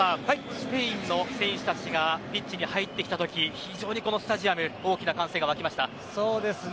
スペインの選手たちがピッチに入ってきたとき非常に、このスタジアム大きな歓声が沸きそうですね。